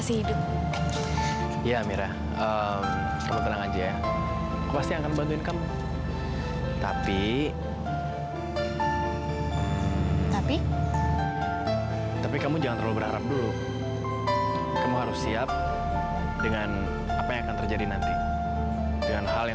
sampai jumpa di video selanjutnya